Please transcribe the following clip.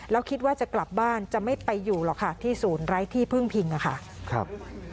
แล้วคิดว่าจะกลับบ้านจะไม่ไปอยู่หรอกค่ะที่ศูนย์ไร้ที่พึ่งพิงนะคะ